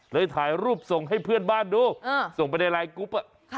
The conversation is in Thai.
ถ่ายรูปส่งให้เพื่อนบ้านดูส่งไปในไลน์กรุ๊ป